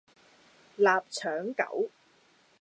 臘腸狗